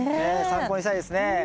参考にしたいですね。